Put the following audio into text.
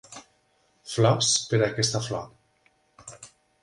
Flors per a aquesta flor